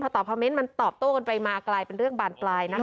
ตอบคอมเมนต์มันตอบโต้กันไปมากลายเป็นเรื่องบานปลายนะคะ